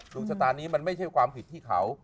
ดวงชะตานี้มันไม่ใช่ความผิดที่เขา